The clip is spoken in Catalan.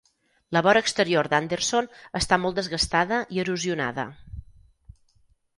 La vora exterior d'Anderson està molt desgastada i erosionada.